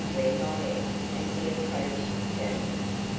went on Ed as he approached Jack.